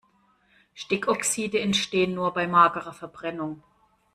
Stickoxide entstehen nur bei magerer Verbrennung.